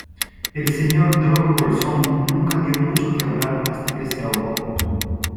El señor Drogo Bolsón nunca dio mucho que hablar, hasta que se ahogó.